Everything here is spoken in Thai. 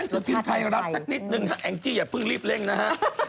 ละครแนวรู้ชาติไทยนิดหนึ่งนะฮะแองจิอย่าเพิ่งรีบเล่นนะฮะนี่